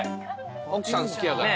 奥さん好きやから。